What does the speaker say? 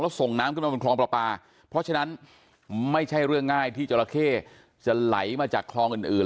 แล้วส่งน้ำขึ้นมาบนคลองประปาเพราะฉะนั้นไม่ใช่เรื่องง่ายที่จราเข้จะไหลมาจากคลองอื่นอื่น